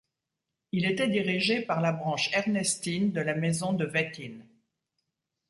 Il était dirigé par la branche ernestine de la Maison de Wettin.